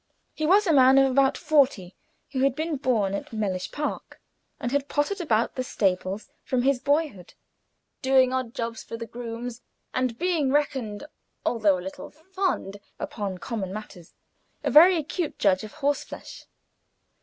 He was a man of about forty, who had been born at Mellish Park, and had pottered about the stables from his boyhood, doing odd jobs for the grooms, and being reckoned, although a little "fond" upon common matters, a very acute judge of horseflesh.